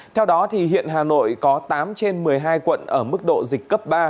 theo đó hiện hà nội có tám trên một mươi hai quận ở mức độ dịch cấp ba